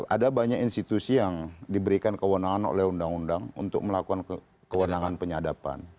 ada banyak institusi yang diberikan kewenangan oleh undang undang untuk melakukan kewenangan penyadapan